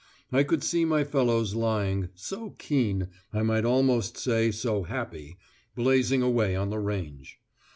I could see my fellows lying, so keen I might almost say so happy blazing away on the range.